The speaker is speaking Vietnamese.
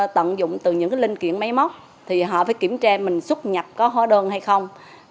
tận dụng từ những linh kiện máy móc thì họ phải kiểm tra mình xuất nhập có hóa đơn hay không